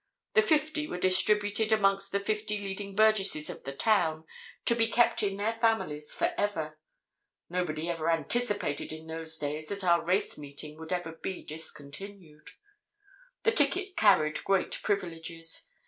The fifty were distributed amongst the fifty leading burgesses of the town to be kept in their families for ever—nobody ever anticipated in those days that our race meeting would ever be discontinued. The ticket carried great privileges.